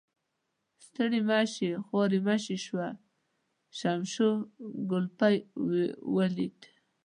ستړي مشي او خوارمشي وشوه، شمشو کولپۍ ولیده.